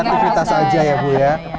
kreatifitas saja ya bu ya